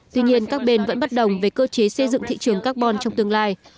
tuy nhiên các bên vẫn bất đồng về cơ chế xây dựng thị trường carbon trong tương lai